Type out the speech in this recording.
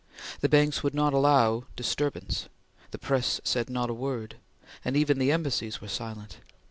The banks would allow no disturbance; the press said not a word, and even the embassies were silent.